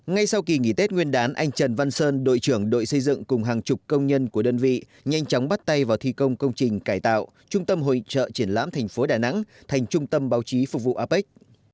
ngay sau kỳ nghỉ tết nguyên đán anh trần văn sơn đội trưởng đội xây dựng cùng hàng chục công nhân của đơn vị nhanh chóng bắt tay vào thi công công trình cải tạo trung tâm hội trợ triển lãm thành phố đà nẵng thành trung tâm báo chí phục vụ apec